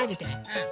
うん。